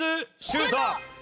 シュート！